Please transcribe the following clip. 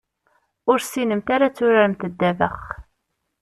Ur tessinemt ara ad turaremt ddabex.